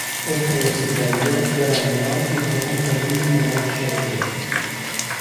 Oltre allo stipendio, guadagnano anche quaranta rubli di mance al giorno.